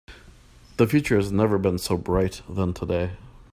The future has never been so bright than today.